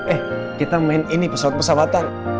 eh kita main ini pesawat pesawat